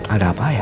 ada apa ya